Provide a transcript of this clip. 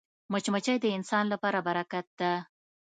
مچمچۍ د انسان لپاره برکت ده